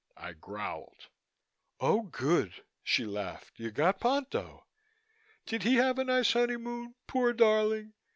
I growled. "Oh, good!" she laughed. "You got Ponto. Did he have a nice honeymoon, poor darling?